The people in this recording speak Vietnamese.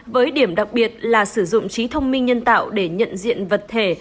với điểm đặc biệt là sử dụng trí thông minh nhân tạo để nhận diện vật thể